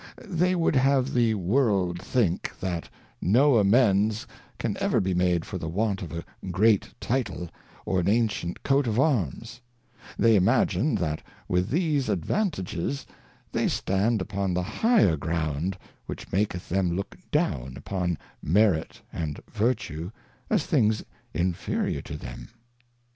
They would have the World think, that no amends can ever be made for the want of a ffreat Title, or an ancient Coat of Arms : They imagine, that with these advan tages they stand upon the higher Ground, which maketh them look down upon Merit and Vertue, as things inferiour to them.